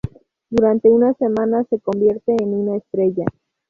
Durante unas semanas se convierte en una estrella.